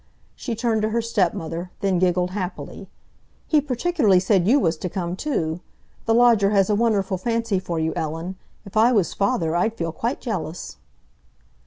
She turned to her stepmother, then giggled happily. "He particularly said you was to come, too. The lodger has a wonderful fancy for you, Ellen; if I was father, I'd feel quite jealous!"